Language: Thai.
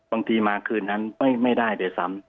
บางทีมาคืนนั้นไม่ได้ด้วยซ้ำ